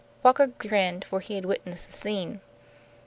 Walker grinned, for he had witnessed the scene.